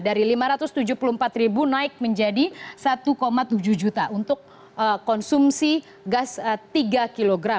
dari rp lima ratus tujuh puluh empat ribu naik menjadi satu tujuh juta untuk konsumsi gas tiga kg